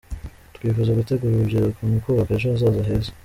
Twifuza gutegura urubyiruko mu kubaka ejo hazaza heza.